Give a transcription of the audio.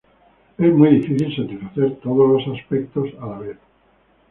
Es muy difícil satisfacer todos los aspectos a la vez.